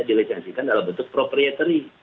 dilecansikan dalam bentuk proprietary